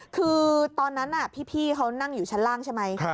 คือตอนนั้นพี่เขานั่งอยู่ชั้นล่างใช่ไหม